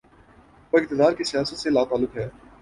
وہ اقتدار کی سیاست سے لاتعلق ہے۔